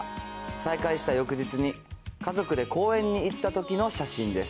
再会した翌日に、家族で公園に行ったときの写真です。